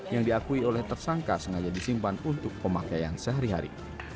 yang diakui oleh tersangka sengaja disimpan untuk pemakaian sehari hari